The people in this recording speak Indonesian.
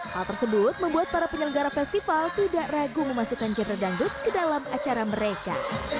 hal tersebut membuat para penyelenggara festival tidak ragu memasukkan genre dangdut ke dalam acara mereka